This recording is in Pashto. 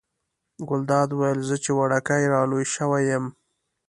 ګلداد وویل زه چې وړوکی را لوی شوی یم.